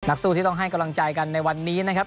สู้ที่ต้องให้กำลังใจกันในวันนี้นะครับ